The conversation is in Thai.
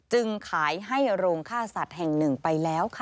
จึงขายให้โรงฆ่าสัตว์แห่งหนึ่งไปแล้วค่ะ